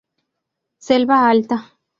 Selva alta.